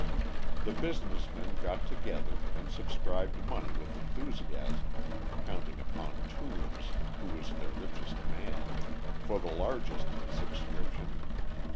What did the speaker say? The business men got together and subscribed money with enthusiasm, counting upon Toombs, who was their richest man, for the largest subscription.